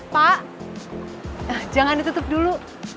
pak jangan ditutup dulu